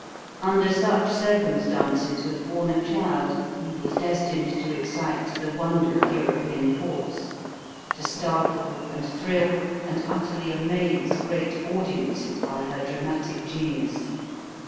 Under such circumstances was born a child who was destined to excite the wonder of European courts to startle and thrill and utterly amaze great audiences by her dramatic genius.